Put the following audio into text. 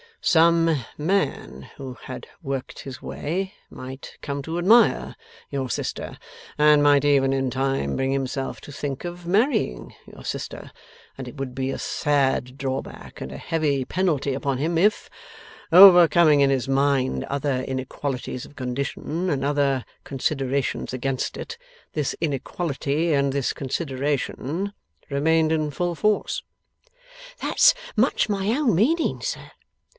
Some man who had worked his way might come to admire your sister and might even in time bring himself to think of marrying your sister and it would be a sad drawback and a heavy penalty upon him, if; overcoming in his mind other inequalities of condition and other considerations against it, this inequality and this consideration remained in full force.' 'That's much my own meaning, sir.